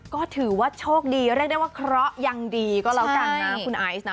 ก็ถือว่าโชคดีเรียกได้ว่าเคราะห์ยังดีก็แล้วกันนะคุณไอซ์นะ